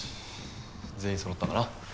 全員そろったな。